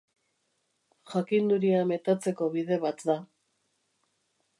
Jakinduria metatzeko bide bat da.